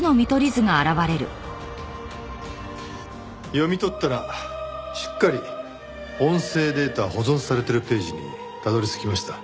読み取ったらしっかり音声データ保存されてるページにたどり着きました。